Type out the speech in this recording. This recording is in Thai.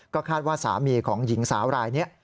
คาดว่าสามีของหญิงสาวรายนี้